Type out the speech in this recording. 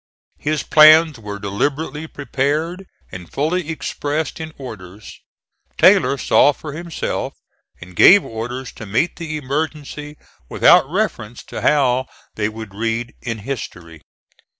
His plans were deliberately prepared, and fully expressed in orders. Taylor saw for himself, and gave orders to meet the emergency without reference to how they would read in history.